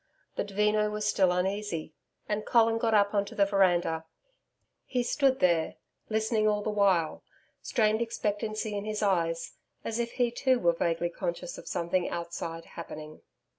But Veno was still uneasy, and Colin got up on to the veranda. He stood there, listening all the while, strained expectancy in his eyes as if he too were vaguely conscious of something outside happening....